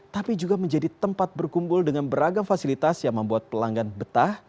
tapi juga menjadi tempat berkumpul dengan beragam fasilitas yang membuat pelanggan betah